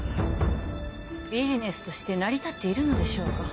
ビジネスとして成り立っているのでしょうか？